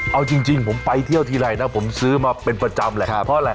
เอาจริงผมไปเที่ยวทีไรนะผมซื้อมาเป็นประจำแหละเพราะอะไร